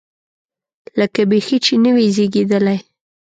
لکه بیخي چې نه وي زېږېدلی.